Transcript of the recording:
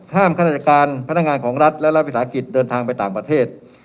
ข้าราชการพนักงานของรัฐและรัฐวิสาหกิจเดินทางไปต่างประเทศ